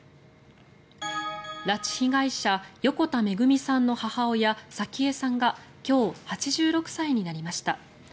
拉致被害者横田めぐみさんの母親早紀江さんが今日、８６歳になりました。